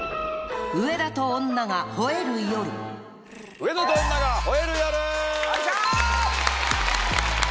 『上田と女が吠える夜』！